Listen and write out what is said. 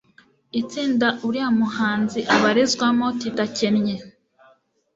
Itsinda uriya muhanzi abarizwamo titakennye